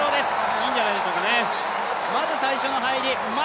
いいんじゃないでしょうかね。